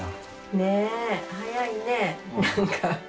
ねえ早いね何か。